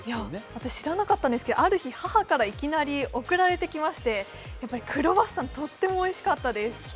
私、知らなかったんですけどある日、母からいきなり送られてきまして、クロワッサンとてもおいしかったです。